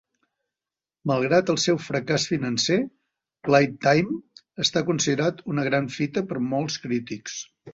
Malgrat el seu fracàs financer, "Playtime" està considerat una gran fita per molts crítics.